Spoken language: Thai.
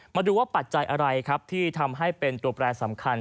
มาดูว่าปัจจัยอะไรครับที่ทำให้เป็นตัวแปรสำคัญ